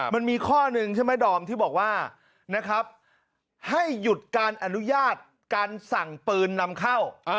มันมีข้อหนึ่งใช่ไหมดอมที่บอกว่านะครับให้หยุดการอนุญาตการสั่งปืนนำเข้า